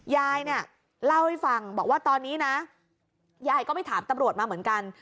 ยายเนี่ยเล่าให้ฟังบอกว่าตอนนี้นะยายก็ไปถามตำรวจมาเหมือนกัน